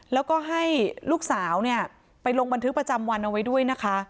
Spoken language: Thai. แล้วก็ให้ลูกสาวเนี่ยไปลงบันทึกประจำวันเอาไว้ด้วยนะคะ